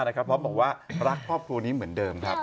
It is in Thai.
หลักป๊อบหัวคือนี้เหมือนเดิมครับ